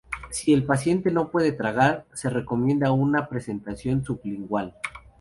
Si el paciente no puede tragar, se recomienda una presentación sublingual.